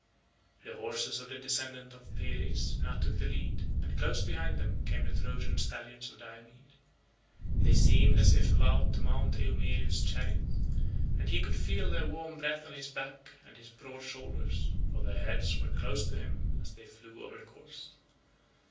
The horses of the descendant of Pheres now took the lead, and close behind them came the Trojan stallions of Diomed. They seemed as if about to mount Eumelus's chariot, and he could feel their warm breath on his back and on his broad shoulders, for their heads were close to him as they flew over the course.